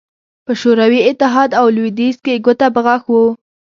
په شوروي اتحاد او لوېدیځ کې ګوته په غاښ وو